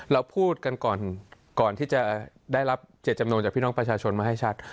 เราพูดกันก่อนก่อนที่จะได้รับเจตจำนวนจากพี่น้องประชาชนมาให้ชัด